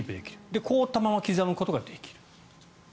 で、凍ったまま刻むことができる。